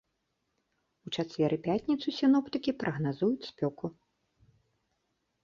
У чацвер і пятніцу сіноптыкі прагназуюць спёку.